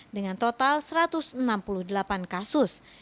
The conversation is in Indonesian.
dengan total satu ratus enam puluh delapan kasus